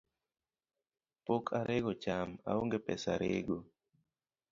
Pok arego cham, aonge pesa rego.